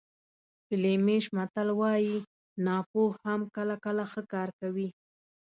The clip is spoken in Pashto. فلیمیش متل وایي ناپوه هم کله کله ښه کار کوي.